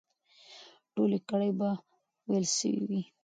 ټولې ګړې به وېل سوې وي.